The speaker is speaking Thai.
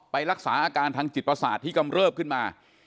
รักษาอาการทางจิตประสาทที่กำเริบขึ้นมา